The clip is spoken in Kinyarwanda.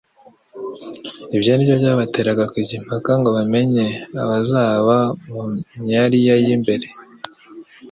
Ibyo ni byo byabateraga kujya impaka ngo bamenye abazaba mu myariya y'imbere.